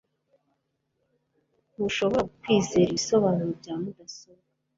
Ntushobora kwizera ibisobanuro bya mudasobwa